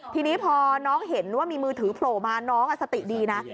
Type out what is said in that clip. ทีนี้พอน้องเห็นว่ามีมือถือโผล่มาน้องสติดีนะ